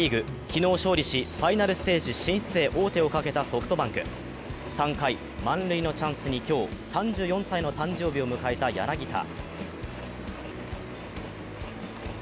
昨日勝利し、ファイナルステージ進出へ王手をかけたソフトバンク。３回、満塁のチャンスに今日、３４歳の誕生日を迎えた柳田。